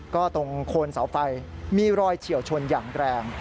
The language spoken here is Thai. ก็ตรงโคนเสาไฟมีรอยเฉียวชนอย่างแรง